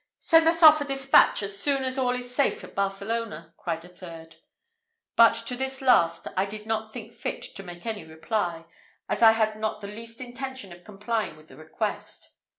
"Send us off a despatch as soon as all is safe at Barcelona," cried a third; but to this last I did not think fit to make any reply, as I had not the least intention of complying with the request.